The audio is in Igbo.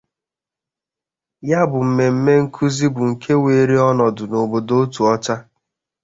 Ya bụ mmemme nkụzi bụ nke weere ọnọdụ n'obodo Otuocha